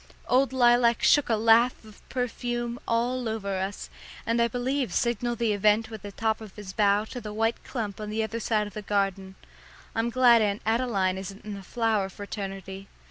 Old Lilac shook a laugh of perfume all over us, and I believe signalled the event with the top of his bough to the white clump on the other side of the garden. I'm glad Aunt Adeline isn't in the flower fraternity.